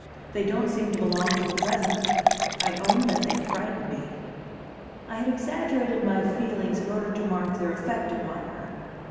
They don't seem to belong to the present. I own that they frighten me." I had exaggerated my feelings in order to mark their effect upon her.